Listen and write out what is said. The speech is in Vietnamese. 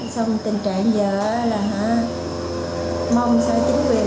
trong tình trạng giờ là mong cho chính quyền địa phương ở đây